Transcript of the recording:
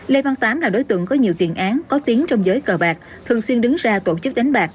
lê văn tám là đối tượng có nhiều tiền án có tiếng trong giới cờ bạc thường xuyên đứng ra tổ chức đánh bạc